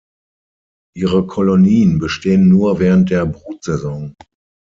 Ihre Kolonien bestehen nur während der Brutsaison.